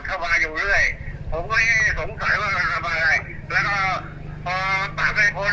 เข้ามาอยู่เรื่อยผมไม่สงสัยว่าเราทำอะไรแล้วก็บับ